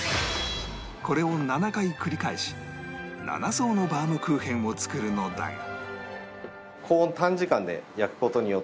これを７回繰り返し７層のバウムクーヘンを作るのだが